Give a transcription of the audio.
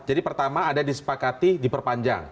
jadi pertama ada disepakati diperpanjang